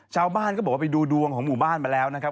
ชาวบ้านก็บอกว่าไปดูดวงของหมู่บ้านมาแล้วนะครับ